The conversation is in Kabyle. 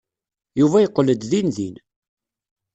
Yuba yeqqel-d dindin.